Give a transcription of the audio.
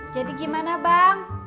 jadi gimana bang